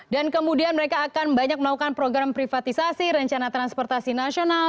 dan kemudian mereka akan banyak melakukan program privatisasi rencana transportasi nasional